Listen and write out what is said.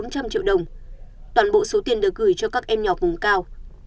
bốn trăm linh triệu đồng toàn bộ số tiền được gửi cho các em nhỏ vùng cao